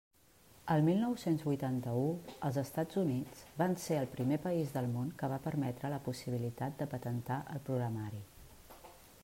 El mil nou-cents vuitanta-u, els Estats Units van ser el primer país del món que va permetre la possibilitat de patentar el programari.